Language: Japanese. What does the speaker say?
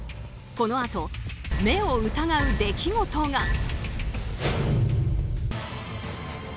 このあと、目を疑う出来事が。